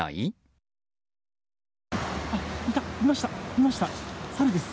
いました、サルです。